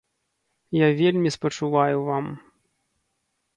Я вельмі спачуваю вам.